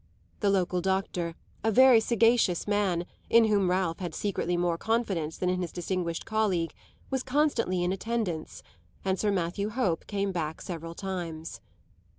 The local doctor, a very sagacious man, in whom Ralph had secretly more confidence than in his distinguished colleague, was constantly in attendance, and Sir Matthew Hope came back several times.